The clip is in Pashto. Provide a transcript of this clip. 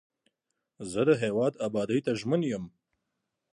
زه د هیواد ابادۍ ته ژمن یم.